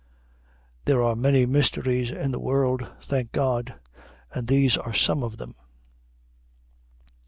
There are many mysteries left in the world, thank God, and these are some of them.